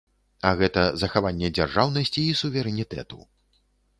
А гэта захаванне дзяржаўнасці і суверэнітэту.